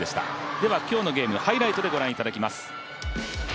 では今日のゲームハイライトでご覧いただきます。